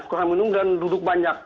kurang minum dan duduk banyak